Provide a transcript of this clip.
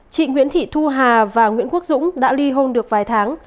chị nguyễn thị thu hà và nguyễn quốc dũng đã ly hôn được vài tháng